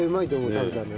食べたらね。